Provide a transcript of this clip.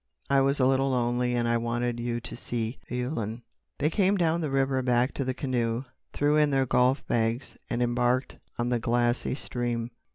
I was a little lonely, and I wanted to see Yulun." They came down the river back to the canoe, threw in their golf bags, and embarked on the glassy stream.